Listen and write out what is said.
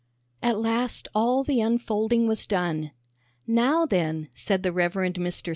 At last all the unfolding was done. "Now then," said the Rev. Mr.